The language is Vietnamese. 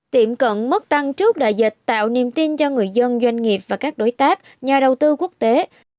tiệm cận mức tăng trước đại dịch tạo niềm tin cho người dân doanh nghiệp và các đối tác nhà đầu tư quốc tế